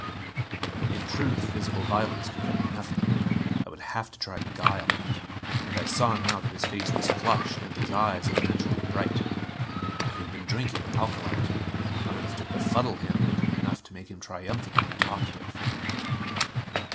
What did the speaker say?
In truth, physical violence could get me nothing. I would have to try guile. And I saw now that his face was flushed and his eyes unnaturally bright. He had been drinking alcolite; not enough to befuddle him, but enough to make him triumphantly talkative.